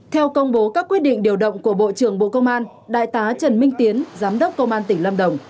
theo công bố các quyết định điều động của bộ trưởng bộ công an đại tá trần minh tiến giám đốc công an tỉnh lâm đồng